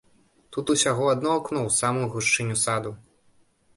Тут усяго адно акно ў самую гушчыню саду.